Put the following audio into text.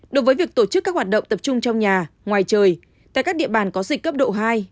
đối với việc tổ chức các hoạt động tập trung trong nhà ngoài trời tại các địa bàn có dịch cấp độ hai